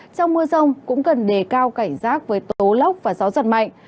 trong mưa rông cũng cần đề cao cảnh giác với tố lốc và gió giật mạnh